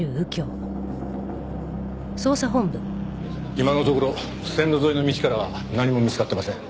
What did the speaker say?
今のところ線路沿いの道からは何も見つかってません。